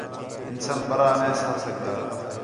انسان بَرّا نے سہہ سڳدا